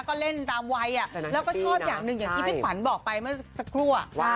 ก็เล่นอันดังไว้แล้วก็ชอบอย่างที่ที่พี่ขวัญบอกไปเมื่อศักรู